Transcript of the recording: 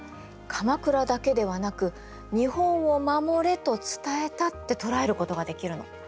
鎌倉だけではなく日本を守れと伝えたって捉えることができるの。